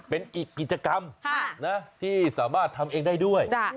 เป็นอีกกิจกรรมที่สามารถทำเองได้ด้วย